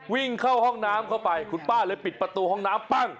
วิ่งเข้าห้องน้ำเข้าไปคุณป้าเลยปิดประตูห้องน้ำปั้ง